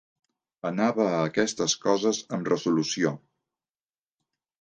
Anava a aquestes coses amb resolució.